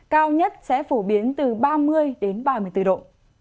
cao nhất sẽ phổ biến từ ba mươi đến ba mươi bốn độ